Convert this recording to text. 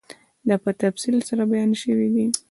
دا په تفصیل سره بیان شوی دی